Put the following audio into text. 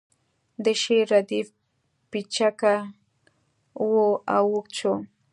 د شعر ردیف پیچکه و او اوږد شو